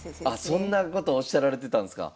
そんなことおっしゃられてたんすか。